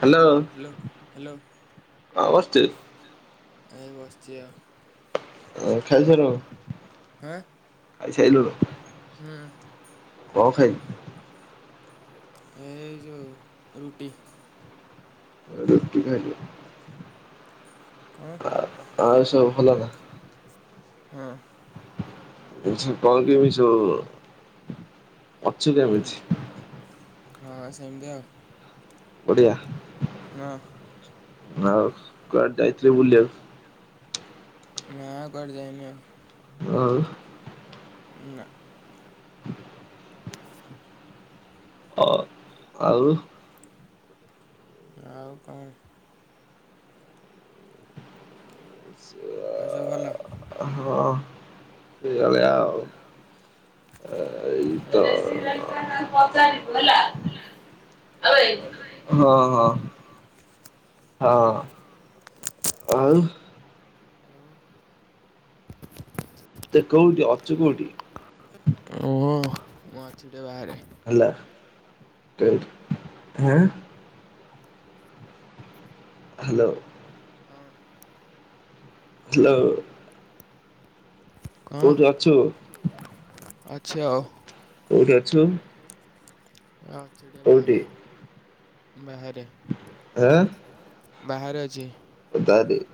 Hello hello! Hello! କଣ କରୁଛୁ? ଆଜ୍ଞା ବସିଛି ଆଉ। ଆ ଖାଇସାଇଲୁନୁ, ହଁ ଖାଇସାଇଲୁନୁ? ହୁଁ, କଣ ଖାଇଲୁ? ଏଇ ଯଉ ରୁଟି। ରୁଟି ଖାଇଲି। କ'ଣ ଆଉ ସବୁ ଭଲ ନା? ହଁ, କଣ କେମିତି ସବୁ ଅଛି ହଁ କେମିତି? ହଁ, ସେମିତି ଆଉ। ବଢିଆ। ହଁ, ଆଉ କୁଆଡେ ଯାଇଥିଲୁ ବୁଲିବାକୁ? ନା କୁଆଡ଼େ ଯାଇନି ଆଉ। ଆଉ? ନା,। ହଉ ଆଉ ଆଉ କଣ? [unintelligible] ଆଉ ସବୁ ଭଲ? ହଁ,। ତଲିଆ। ତ ଓହୋ! ହଁ, ହଁ,। ହଁ,। ଆଉ ଆଉ। ସେ କୋଉଠି ଅଛି କୋଉଠି? ମୁଁ ଅଛି ଟିକେ ବାହାରେ। ହେଲା ଟ୍ରେଡ ହେଁ ହ୍ୟାଲୋ! ହଁ ହ୍ୟାଲୋ! କୋଉଠି ଅଛୁ? ଆଛା। କୋଉଠି ଅଛୁ। ଆଛି ଟିକେ କୋଉଠି ବାହାରେ ବାହାରେ। ଆଁ। ବାହାରେ ଅଛି। ପ ତାାଦ [inaudible]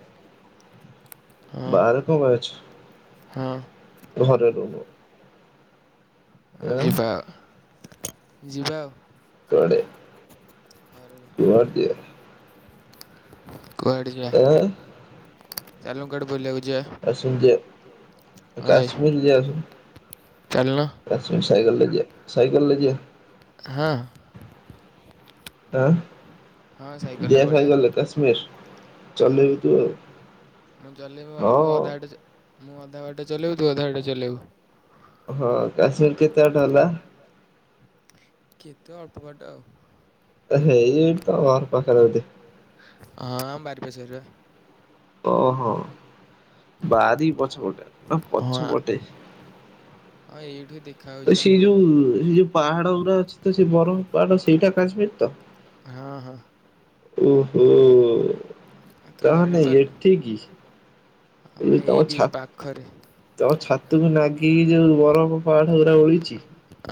ହଁ ବାହାରେ କଣ ପାଇଁ ଅଛୁ। ହଁ। ଘରେ ରହୁନୁ। ଆ ଆଁ ଯିବା ଯିବା ଆଉ। କୁଆଡେ ଘରକୁ [unintelligible] କୁଆଡ଼େ ଯିବା ଆଁ ଚାଲୁନୁ କୁଆଡେ ବୁଲିବାକୁ ଯିବା। ଆସୁନୁ ଜିଆ ଅଳେଇ କାଶ୍ମୀର ଜିଆ ଚାଲୁନ ଆସୁନୁ। ସାଇକେଲରେ ଯିବା। ହଁ। ଆଁ। ହଁ ସାଇକେଲରେ ଯିବା ପଳେଇଆ କାଶ୍ମୀର ହଁ। ଚଲେଇବୁ ତୁ ଆଉ ମୁଁ ଚଲେଇବ ମୁଁ ହଁ ଅଧାବାଟେ ମୁଁ ଅଧା ବାଟେ ଚଲେଇବୁ ତୁ ଅଧା ବାଟେ ଚଲେଇବୁ। ହଁ କାଶ୍ମୀର କେତେବାଟ ହେଲା। କେତେ ଅଳ୍ପବାଟ ଆଉ। ଇ ଏ ତ ବପ କରେନ୍ତି [unintelligible] ହଁ [unintelligible] ଭାରପେଶ ଓହୋ ବାରି ପଛପଟେ ନା ହଁ ପଛପଟେ। ହଁ ଏଇଠୁ ଦେଖ ସେ ଯୋଉ ସେ ଯୋଉ ପାହାଡ ଗୁଡା ଅଛି ତ ସେ ବରଫ ପାହାଡ ସେଇଟା କାଶ୍ମୀର ତ। ହଁ ହଁ। ଓହୋ ଆଉ ତୁ ତାହେଲେ ଜାଣିପାରୁନୁ ଏଠିକି। ହଁ, ଏଇଠି ପାଖରେ। ତୋ ଛାତକୁ ନାଗିକି ଯୋଉ ବରଫ ପାହାଡ ଗୁରା ଓହଳିଚି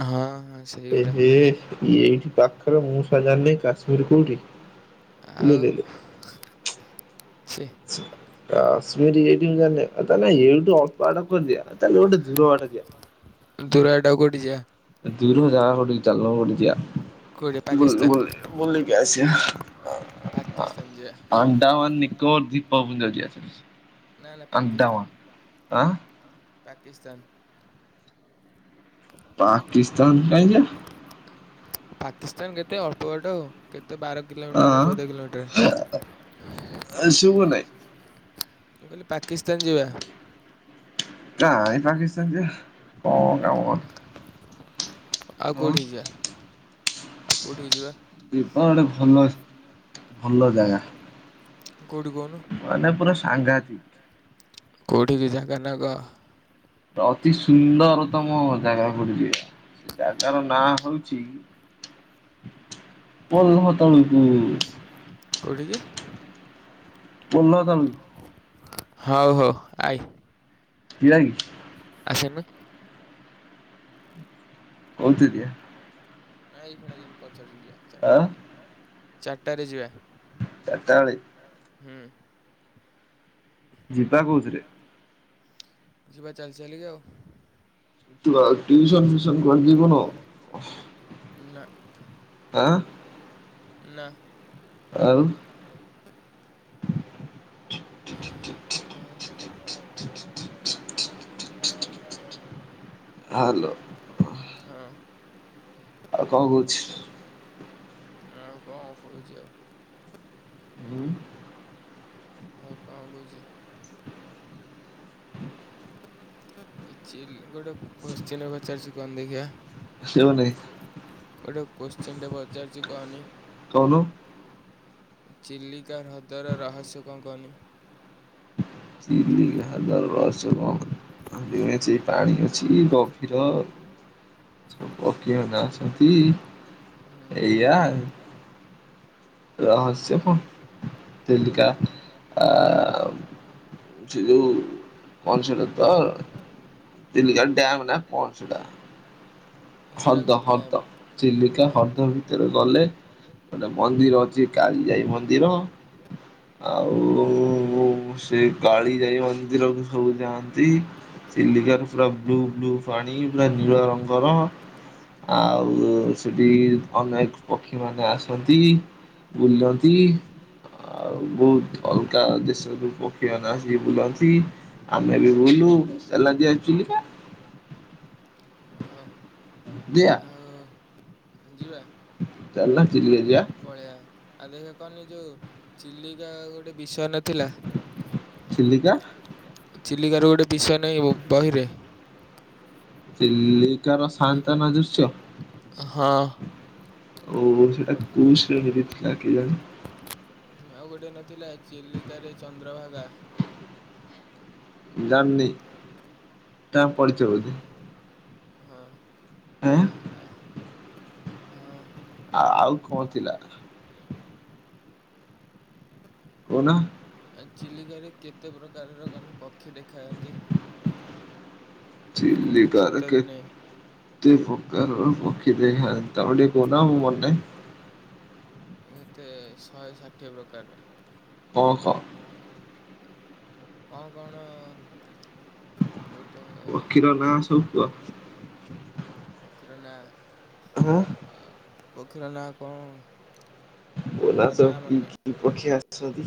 ହଁ ହଁ। ସେଇଗୁରା। ଏହେ, ଏଇଠି ପାଖରେ, ମୁଁ ଶଳା ଜାଣିନି, କାଶ୍ମୀର କୋଉଠି? ଲେ ଆଉ, ଲେ ଲେ ଛି। [unintelligible] କାଶ୍ମୀର ଏଇଠି ମୁଁ ଜାଣିନି, ଆଉ ତାହାଲେ ଏଇଠୁ ଅଳ୍ପ ବାଟ କୁଆଡେ ଯିବା? ଚାଲ ଗୋଟେ ଦୂର ବାଟ ଯିଆ। ଦୂର ବାଟ ଆଉ କଉଠିକି ଯିବା? ଦୂର ଜାଗା ଗୋଟେ ଚାଲୁନ ଗୋଟେ ଯିବା, କୋଉଠି ବୁଲି ପାକିସ୍ତାନ ବୁଲି ବୁଲିକି ଆସିବା। ଆ ପାକିସ୍ତାନ ଯିବା। ଆଣ୍ଡାମାନ ନିକୋବର ଦୀପ ପୁଞ୍ଜ ଯିବା। ନାଇଁ ହେଲା ଆଣ୍ଡାମାନ ପାକିସ୍ତାନ, ଆଁ ପାକିସ୍ତାନ। ପାକିସ୍ତାନ କାଇଁଯିବା? ପାକିସ୍ତାନ କେତେ ଅଳ୍ପ ବାଟ, କେତେ ବାର କିଲୋମିଟର ନା ଚଉଦ ଆଁ କିଲୋମିଟର? ଆସିବୁ ନାଇଁ? ମୁଁ କହିଲି ପାକିସ୍ତାନ ଯିବା। କାଇଁ ପାକିସ୍ତାନ ଯିବା? କଣ କାମ? ଆଉ ଆଁ କୋଉଠିକି ଯିବା, ଆଉ କୋଉଠିକି ଯିବା? ଯିବା ଗୋଟେ ଭଲ, ଭଲ ଜାଗା। କୋଉଠି କହୁନୁ? ମାନେ ପୁରା ସାଂଘାତିକ। କୋଉଠିକି ଜାଗା ନାଁ କହ? ଅତି ସୁନ୍ଦରତମ ଜାଗାକୁ ଗୋଟେ ଯିବା। ସେ ଜାଗାର ନାଁ ହଉଚି ପୋଲ୍ହ ତଳକୁ କୋଉଠିକି? ପୋଲ୍ହ ତଳକୁ। ହଉ ହଉ ଆଇ। ଯିଆକି? ଆସନୁ। [unintelligible] ନା ଏଇ ଖିଣା ଯିବାନି, ପଛରେ ଯିବା, ଚାରିଟା ବେଳକୁ, ଚାରିଟରେ ଯିବା। ଚାରିଟା ଓଳି ହୁଁ। ଯିବା କୋଉଥିରେ? ଯିବା ଚାଲି ଚାଲିକି ଆଉ। ଟିଉସନ ଫିଉସନ କରି [unintelligible] ଯିବୁନୁ? ନା। ଆଁ ନା। ଆଉ ଆଉ ଆଉ [unintelligible] ହାଲୋ। ହଁ। ଆଉ କଣ କହୁଛି? ଆଉ କଣ କହୁଛି ଆଉ? [inaudible] ଆଉ କଣ କହୁଛି? ଚିଲ୍ ଗୋଟେ କୋଶ୍ଚେନ ପଚାରୁଛି କହନି ଦେଖିଆ? ଆସିବ ନାହିଁ। ଗୋଟେ କୋଶ୍ଚେନଟେ ପଚାରୁଛି କହନି? କହୁନୁ। ଚିଲିକା ହ୍ରଦର ରହସ୍ୟ କଣ କହନି? ଚିଲକା ହ୍ରଦର ରହସ୍ୟ କଣ କ? [unintelligible] ଅଛି ପାଣି ଅଛି ଗଭୀର। ଯୋଉ ପକ୍ଷୀମାନେ ଅଛନ୍ତି ହୁଁ ଏଇଆ ଆଉ। ରହସ୍ୟ କଣ ତିଲିକା ହୁଁ ଆଉ ସେ ଯୋଉ କଣ ସେଟା ତ? ଚିଲିକା ଡ୍ୟାମ ନା କଣ ସେଟା? ହୀରାକୁଦ ହଦ ଡ୍ୟାମ୍ ହ୍ରଦ, ଚିଲିିକା ହଁ ହ୍ରଦ ଭିତରେ ଗଲେ ଗୋଟେ ମନ୍ଦିର। ଚି କାଳିଯାଇ ମନ୍ଦିର, ହଁ ଆଉ ସେ କାଳିଯାଇ ମନ୍ଦିରକୁ ସବୁ ଯାଆନ୍ତି ଚିଲିକାର ହୁଁ। ପୁରା ବ୍ଲୁ ବ୍ଲୁ। ପାଣି ପୁରା ନୀଳ ରଙ୍ଗର। ହଁ ଆଉ ସେଠି ଅନେକ ପକ୍ଷୀମାନେ ଆସନ୍ତି। ବୁଲନ୍ତି। ଆଉ ବହୁତ ଅଲଗା ଦେଶରୁ ପକ୍ଷୀମାନେ ଆସିକି ବୁଲନ୍ତି। ଆମେ ବି ବୁଲୁ, [unintelligible] ଦିଆ ହଁ ଯିବା। ଚାଲ ଚଲିକା ଯିବା। ପଳେଇବା। ଆଉ ଦେଖିଆ କହନି ଯୋଉ ଚିଲିକା ଗୋଟେ ବିଷୟ ନଥିଲା? ଚିଲିକା। ଚିଲିକାରୁ ଗୋଟେ ବିଷୟ ନାହିଁ ବହିରେ। ଚିଲିକାର ସାଆନ୍ତନ ଦୃଶ୍ୟ। ହଁ [unintelligible] ଆଉ ଗୋଟେ ନଥିଲା ଚିଲିକାରେ ଚନ୍ଦ୍ରଭାଗା? ଜାଣିିନି ତା ପଡିଚ ବୋଧେ? ହଁ ଆଁ ଆ ହଁ ଆ ଆଉ କଣ ଥିଲା? କହୁନ? ଆ ଚିଲିକାରେ କେତେ ପ୍ରକାରର କନି ପକ୍ଷୀ ଦେଖାଯାଆନ୍ତି? ଶୀତ ଚିଲିକାରେ କେ ଦିନେ କେତେପ୍ରକାର ପକ୍ଷୀ ଦେଖାଯାଆନ୍ତି ତାପରେ ଟିକେ କହୁନ ମୁଁ ମନେନାହିଁ। କେତେ ଶହେ ଷାଠିଏ ପ୍ରକାରର। ଓହୋ। ଆଉ କଣ? ଗୋଟେ ପକ୍ଷୀର ନାଁ ସବୁ ପକ୍ଷୀର କୁହ? ନାଁ ହୁଁ। ଆ ପକ୍ଷୀର ନାଁ କଣ? ମୋ ସ ନାଁ କି ମନେ କି ପକ୍ଷୀ ଆସୁଛନ୍ତି।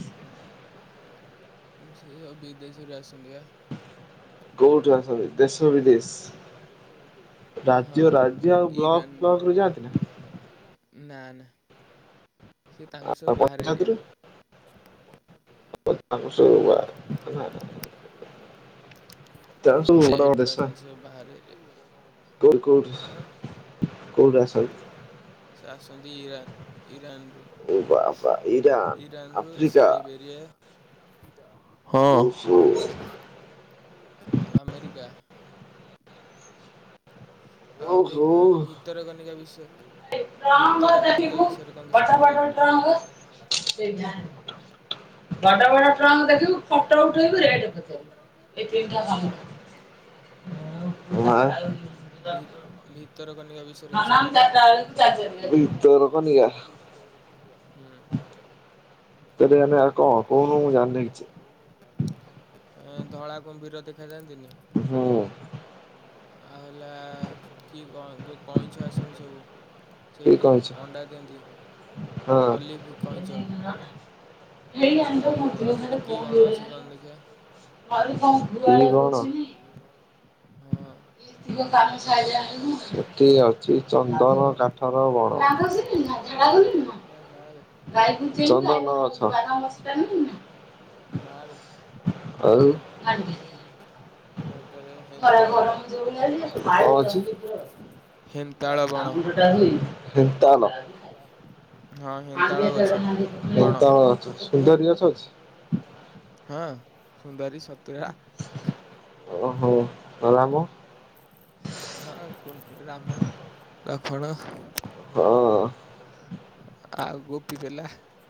ସେ ସବୁ ବିଦେଶରୁ ଆସନ୍ତିବା କୋଉଠୁ ଆସନ୍ତି ଦେଶ ବିଦେଶ? [inaudible] ରାଜ୍ୟ ରାଜ୍ୟ ଆଉ ବ୍ଲକ ଇରାନରୁ ବ୍ଲକରୁ ଯାଆନ୍ତି। ନା ନା ତାଙ୍କର ଆଉ ସବୁ ବାହାର ଏରିଆ। ପଞ୍ଚାୟତରୁ [inaudible] [inaudible] ହୁଁ ସେ ଏଠୁ ଆସନ୍ତି ସବୁ ବାହାର ଏରିଆ। ଆଁ କୋଉଠୁ ଆସନ୍ତି? ସେ ଆସନ୍ତି ଇରାନ ଇରାନରୁ। ଆରେ ବାବା ଇରାନ୍ ଆଫ୍ରିକା। [inaudible] ହଁ ଓହୋ ଆମେରିକା। ଆଉ ଓହୋ ଦେଖିବାନେ ଭିତରକନିକା ବିଷୟ। [inaudible] ଭିତରକନିକା ବିଷୟରେ କଣ କିଛି କହନି ଟିକେ ସେ ବଡ ବଡ ଟ୍ରଙ୍କ ଦେଖିବୁ ଫଟୋ ଉଠେଇବୁ ରେଟ ପଠେଇବୁ? [inaudible] ଭି ଭିତରକନିକା ବିଷୟ। ଭିତରକନିକା। ହୁଁ। କେବେ ଆନେ କଣ? ମୁଁ ଜାଣିନି କିଛି ଧଳା କୁମ୍ଭୀର ଦେଖାଯାଆନ୍ତି। ହୁଁ ଆଉ ହେଲା କି କଣ? କଇଁଛ ଆସନ୍ତି ସବୁ। ଠିକ ସେଇଠି କହିଛ ଅଣ୍ଡା ଦିଅନ୍ତି ହଁ। ଅଲିଭ୍ କଇଁଛ। ଆଉ ଆଉ ସେଠି କି ବଣ ଅଛି କହିଲୁ ଦେଖିଆ? କି ବଣ? ହଁ ସେଠି ଅଛି ଚନ୍ଦନ କାଠର ବଣ। ଆଉ [inaudible] ଚନ୍ଦନ ଗଛ। ନାବେ ଆଉ ଏଟାରେ ହେନ୍ତାଳ ବଣ କଣ ଅଛି? ହେନ୍ତାଳ ବଣ ତା ନ ହଁ ହେନ୍ତାଳ ଗଛ। ହେନ୍ତାଳ ଗଛ ସୁନ୍ଦରୀ ଗଛ ଅଛି। ହ ହଁ ସୁନ୍ଦରୀ ସତୁରା ଓହୋ। ଗଲାମ। ହଁ ରାମ ଲକ୍ଷ୍ମଣ। ହଁ। ଆଉ ଗୋପି ଦେଲା।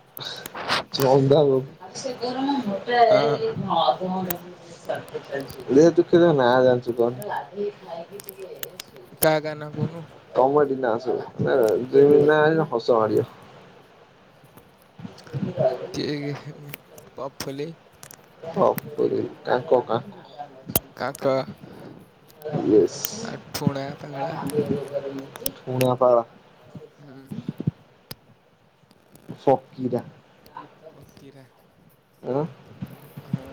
[unintelligible] ଦୁଃଖ ହଁ ତ ନା ଆ ଜାଣିଛୁ କଣ? କା କା ନା କହୁନୁ। ତମରି ନା ସବୁ ଆସିବମି ଆ ହସ ମାଡିବ। [unintelligible] କିଏ କିଏ ପପୁଳି ଭାଇ। [unintelligible] କାଙ୍କ ଆ ଠୁଣା ପାଗଳା [unintelligible] ହୁଁ। ଫକିରା। ପକିରେ ଆଁ। ହଁ।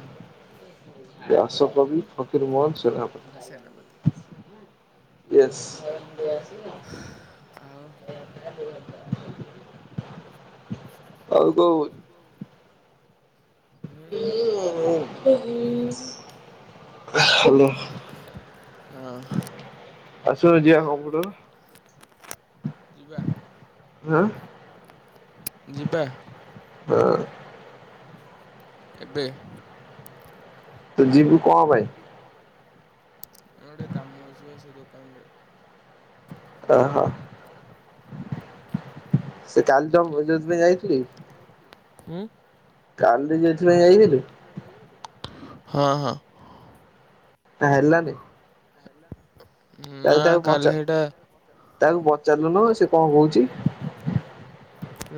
ବ୍ୟାସ କବି ଫକୀର ମୋହନ ସେନାପତି ସେନାପତି। ୟେସ ଆଉ। ଆଉ କୋଉ ହୋଉ। ହେଲୋ। ହଁ। ଆଶିବ ଯିବା ଆମ ଘରକୁ ଯିବା ଆ ଆ। ଯିବା। ହଁ। ଏବେ। ତ ଯିବୁ କଣ ପାଇଁ ଗୋଟେ କାମ ଅଛିପା ସେ ଦୋକାନରେ। ଓହୋ। ଓହୋ। ସେ କାଲି ଯୋଉ ଯୋଉଥିପାଇଁ ଯାଇଥିଲି। ଉଁ। କାଲି ଯାଇଥିଲେ ଯାଇଥିଲୁ। ହଁ ହଁ। ସେଟା ହେଲାନି। [unintelligible] କାଲି ତାକୁ ତାକୁ ପଚାରିଲୁନ ସେ କଣ କହୁଛି।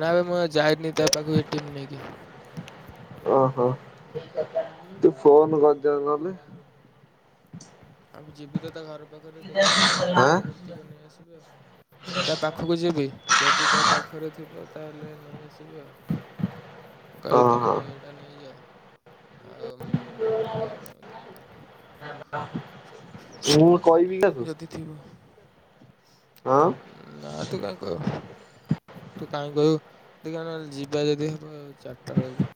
ନା ମୁଁ ଯାଇନି ତା ପାଖକୁ ଏଟିମ୍ ନେଇକି। ଓହୋ ତୁ ଫୋନ କର [unintelligible] ଏବେ ଯିବି ତ ତା ଘର ପାଖରେ ଦେଖେଇବି ଯଦି ତା ଆଁ ପାଖରେ ଥିବ ନେଇ ଆସିବି ଆଉ। ତା ପାଖକୁ ଯିବି ଯଦି ତା ପାଖରେ ଥିବ ତାହେଲେ ନେଇ ଆସିବି ଆଉ। [unintelligible] କହିବି ହଁ ତମ ଏଇଟା ନେଇଯାଅ ଆଉ ମୁଁ ଏଇଟାକୁ ଦେଇଦିଅ ମତେ। ମୁଁ କହିବି ତାକୁ। ଯଦି ଥିବ। ହଁ। ନାଁ ତୁ କାହିଁ କହିବୁ। ତୁ କାହିଁ କହିବୁ। ଦେଖିବା ନହେଲେ ଯିବା ଯଦି ହବ ଚାରିଟା ବେଳକୁ।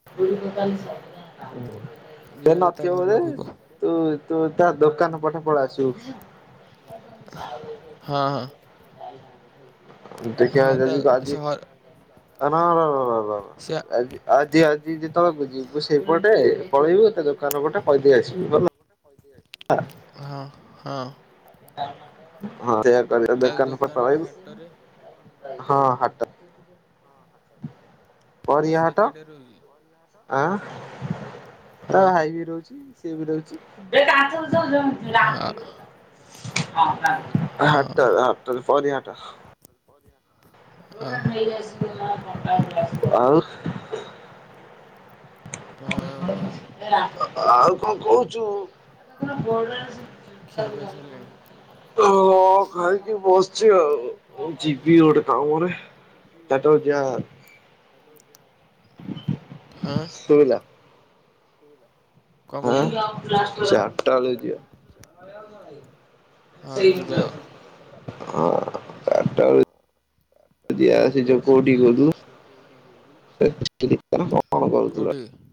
[unintelligible] ସେ ଯିବା ଯଦି ତା ନଥିବ ଘର ବୋଧେ। ପାଖକୁ ତୁ ତୁ ତା ଦୋକାନ ପଟେ ପଳେଇ ଆସିବୁ। ହଁ। ଦେଖିଆ ହଁ ତା ଯଦି ସେ ଆଜି, ଘ ହଁ ହଁ ହଁ ହବ ସେ ହବ। ଆଜି ଆଜି ଆ ଯେତେବେଳ ଯିବୁ ସେଇପଟେ ପଳେଇବୁ ତା ଦୋକାନ ପଟେ କହିଦେଇ ଆସିବୁ ହେଲା। ହଁ ହଁ। ହଁ ସେଇଆ କରିବୁ। ତା ଦୋକାନ ପଟେ ପା ହାଟରେ ପଳେଇବୁ। ହଁ ହାଟ। ପରିବା ସେ ହାଟ ଏକାଟିଆ ରହୁଚି। ଆଁ ହଁ। ତା ହଁ ଭାଇ ବି ରହୁଚି, ସିଏ ବି ରହୁଚି। ହଁ ହାଟ ହାଟରେ ପରିବା ହାଟ। ପରିବା। [unintelligible] ଆଉ ଆଉ କଣ ଆଉ କଣ କହୁଚୁ? ଖିଆପିଆ ସରିଲାଣି [unintelligible] ହଁ ଖାଇକି ବସିଚି ଆଉ। ଯିବି ଗୋଟେ କାମରେ। ଯିବି ଗୋଟେ ଚାରିଟା ବେଳେ ଯିବା କାମରେ। [unintelligible] ଶୁବିଲା? ଶୁବିଲା? ହଁ, ଚାରଟା ବେଳକୁ ହଁ ଯିବା। ଯିବା ଆଁ ଚାରିଟା ବେଳୁ ଦିଆ ସେ ଯୋଉ କୋଉଠିକୁ କହୁଥିଲୁ [unintelligible] କୋଉଠିକି?